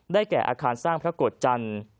แก่อาคารสร้างพระโกรธจันทร์